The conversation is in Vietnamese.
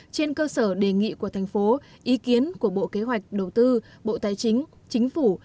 trên cơ sở đề nghị của thành phố ý kiến của bộ kế hoạch đầu tư bộ tài chính chính phủ